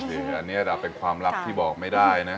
อันนี้เป็นความลับที่บอกไม่ได้นะ